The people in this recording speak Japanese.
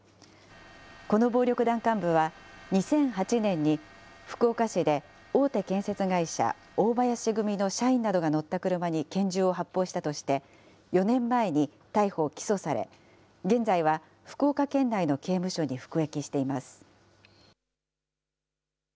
この暴力団幹部は２００８年に福岡市で大手建設会社、大林組の社員などが乗った車に拳銃を発砲したとして、４年前に逮捕・起訴され、現在は福岡県内の刑務所に服役しています。